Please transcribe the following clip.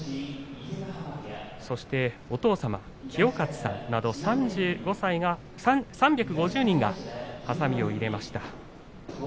そしてお父様清克さんなど３５０人がはさみを入れました。